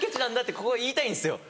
ここを言いたいんですよ